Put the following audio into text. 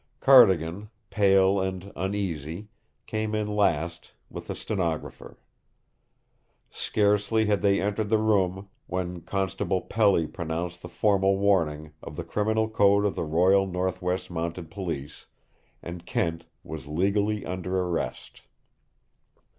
Cardigan, pale and uneasy, came in last, with the stenographer. Scarcely had they entered the room when Constable Pelly pronounced the formal warning of the Criminal Code of the Royal Northwest Mounted Police, and Kent was legally under arrest.